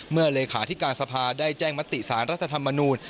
เมื่อเลขาที่การสภาได้แจ้งมติศาลรัฐธรรมนูน